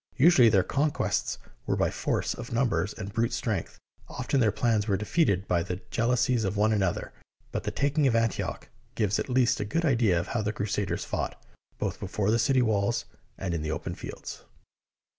Usually their con quests were by force of numbers and brute strength. Often their plans were defeated by their jealousies of one another, but the taking of Antioch gives at least a good idea of how the Crusaders fought, both before the city walls and in the open fields.